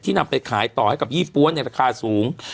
ที่นำไปขายต่อให้กับญี่ป้วนเนี่ยราคาสูง